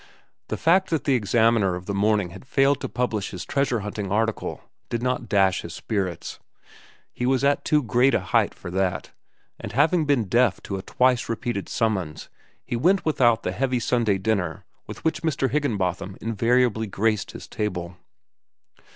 The fact that the Examiner of that morning had failed to publish his treasure hunting article did not dash his spirits. He was at too great a height for that, and having been deaf to a twice repeated summons, he went without the heavy Sunday dinner with which Mr. Higginbotham invariably graced his table.